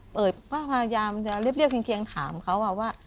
เปิดผ้ายานเรียบเคียงถามเขาว่า